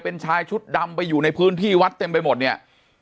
เป็นชายชุดดำไปอยู่ในพื้นที่วัดเต็มไปหมดเนี่ย